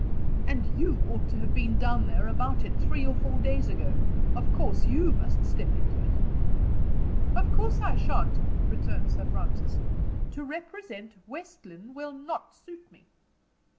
"And you ought to have been down there about it three or four days ago. Of course you must step into it." "Of course I shan't," returned Sir Francis. "To represent West Lynne will not suit me."